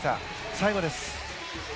最後です。